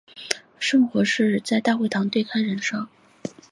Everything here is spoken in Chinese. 而圣火则整晚于大会堂对开燃烧。